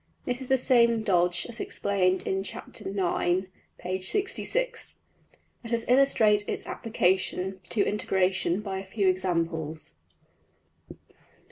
} This is the same dodge as explained in Chap.~IX., \Pageref{chap:IX}. Let us illustrate its application to integration by a few examples.